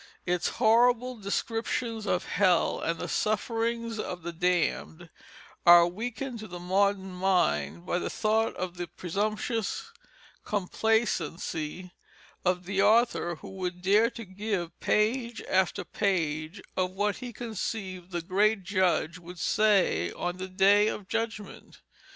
Its horrible descriptions of hell and the sufferings of the damned are weakened to the modern mind by the thought of the presumptuous complacence of the author who would dare to give page after page of what he conceived the great Judge would say on the Day of Judgment.